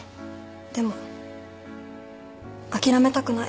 でも諦めたくない。